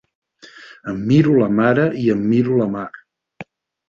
Em miro la mare i em miro la Mar.